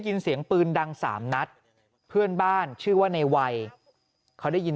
เสียงปืนดังสามนัดเพื่อนบ้านชื่อว่าในวัยเขาได้ยิน